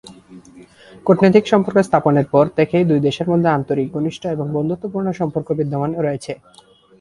কূটনৈতিক সম্পর্ক স্থাপনের পর থেকেই দুই দেশের মধ্যে আন্তরিক, ঘনিষ্ঠ এবং বন্ধুত্বপূর্ণ সম্পর্ক বিদ্যমান রয়েছে।